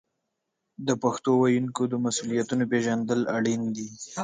د پښتو ویونکو د مسوولیتونو پیژندل اړین دي.